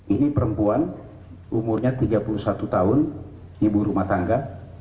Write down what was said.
ini perempuan umurnya tiga puluh satu tahun ibu rumah tangga